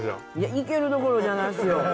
いけるどころじゃないですよ。